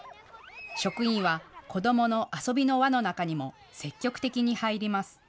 職員は子どもの遊びの輪の中にも積極的に入ります。